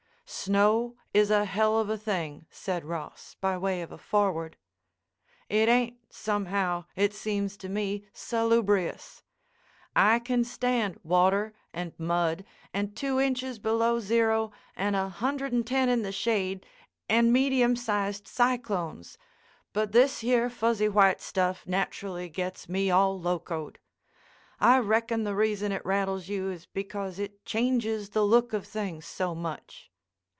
"Snow is a hell of a thing," said Ross, by way of a foreword. "It ain't, somehow, it seems to me, salubrious. I can stand water and mud and two inches below zero and a hundred and ten in the shade and medium sized cyclones, but this here fuzzy white stuff naturally gets me all locoed. I reckon the reason it rattles you is because it changes the look of things so much.